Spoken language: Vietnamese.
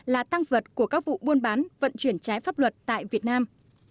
là tăng vật của các vụ buôn bán vận chuyển trái pháp luật tại việt nam